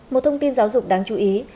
một thông tin giáo dục đáng chú ý